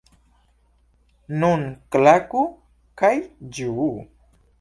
Nun klaku kaj ĝuu!